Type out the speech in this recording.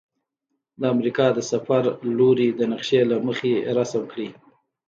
د امریکا د سفر لوري د نقشي له مخې رسم کړئ.